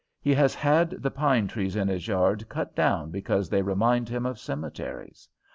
He has had the pine trees in his yard cut down because they remind him of cemeteries.